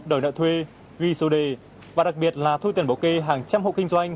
đòi nợ thuê ghi số đề và đặc biệt là thu tiền bảo kê hàng trăm hộ kinh doanh